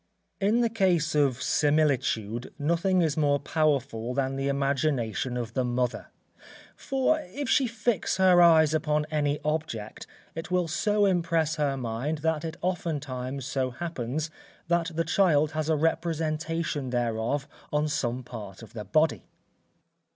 _ In the case of similitude, nothing is more powerful than the imagination of the mother; for if she fix her eyes upon any object it will so impress her mind, that it oftentimes so happens that the child has a representation thereof on some part of the body.